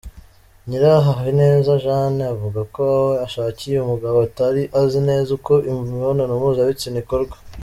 Nyirahabineza Jane avuga ko aho ashakiye umugabo atari azi neza uko imibonano mpuzabitsina ikorwa.